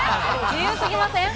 自由すぎません？